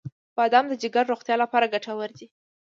• بادام د جګر روغتیا لپاره ګټور دی.